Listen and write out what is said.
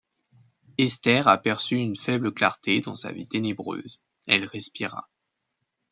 Esther aperçut une faible clarté dans sa vie ténébreuse, elle respira.